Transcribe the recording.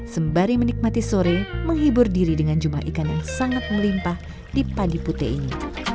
sembari menikmati sore menghibur diri dengan jumlah ikan yang sangat melimpah di padi putih ini